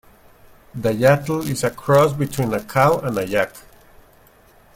The yattle is a cross between a cow and a yak.